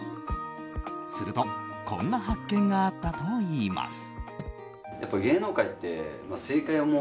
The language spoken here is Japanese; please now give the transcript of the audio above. するとこんな発見があったといいます。